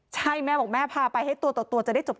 ใช่แม่บอกแม่พาไปให้ตัวต่อตัวจะได้จบ